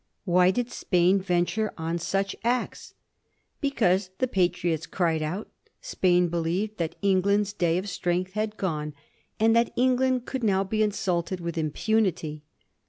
Why did Spain venture on such acts ? Because, the Patriots cried out, Spain believed that England's day of strength had gone, and that England could now be insult ed with impunity.